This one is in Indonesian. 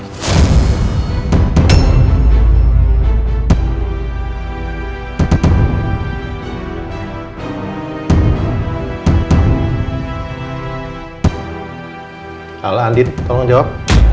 salah andi tolong jawab